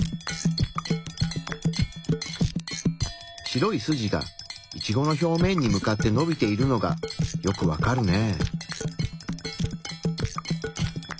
白い筋がイチゴの表面に向かってのびているのがよくわかるね。